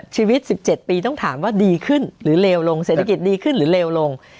ชีวิต๑๗ปีต้องถามว่าดีขึ้นหรือเลวลงเศรษฐกิจดีขึ้นหรือเลวลง